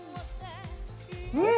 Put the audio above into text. うん！